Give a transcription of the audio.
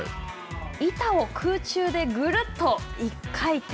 板を空中でぐるっと１回転。